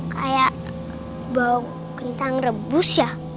kayak bau kentang rebus ya